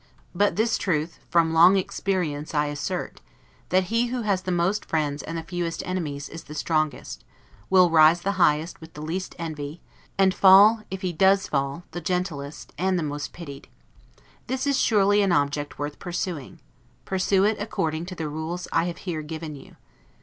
But this truth from long experience I assert, that he who has the most friends and the fewest enemies, is the strongest; will rise the highest with the least envy; and fall, if he does fall, the gentlest, and the most pitied. This is surely an object worth pursuing. Pursue it according to the rules I have here given you.